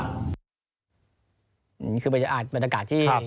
นี่มันจะอาจเป็นจริงที่